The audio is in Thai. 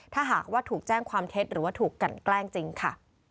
ถ้าหากว่าถูกแจ้งความเท็จหรือว่าถูกกันแกล้งจริงค่ะ